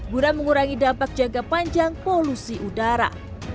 guna mengurangi dampak jangka panjang polusi udara